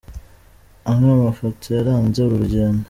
Amwe mu mafoto yaranze uru rugendo